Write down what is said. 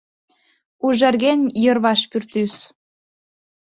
Ужарген йырваш пӱртӱс.